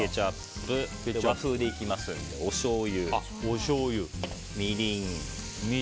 和風でいきますのでおしょうゆ、みりん